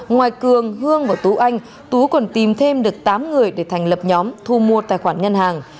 ngoài cường hương và tú anh tú còn tìm thêm được tám người để thành lập nhóm thu mua tài khoản ngân hàng